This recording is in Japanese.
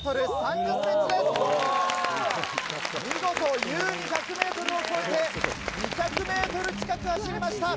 見事優に１００ｍを超えて２００ｍ近く走りました！